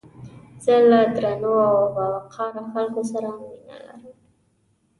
زه له درنو او باوقاره خلکو سره مينه لرم